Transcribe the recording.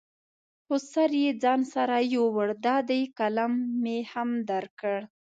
خو سر یې ځان سره یوړ، دا دی قلم مې هم درکړ.